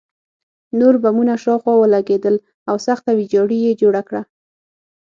نور بمونه شاوخوا ولګېدل او سخته ویجاړي یې جوړه کړه